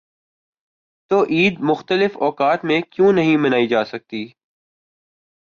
تو عید مختلف اوقات میں کیوں نہیں منائی جا سکتی؟